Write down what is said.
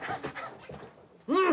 うん！